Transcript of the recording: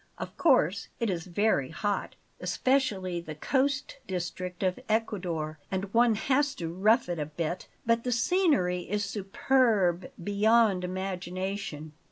Of course it is very hot, especially the coast district of Ecuador, and one has to rough it a bit; but the scenery is superb beyond imagination."